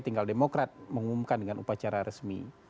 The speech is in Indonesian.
tinggal demokrat mengumumkan dengan upacara resmi